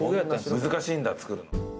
難しいんだ作るの。